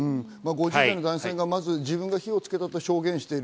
５０代の男性が自分が火をつけたと証言している。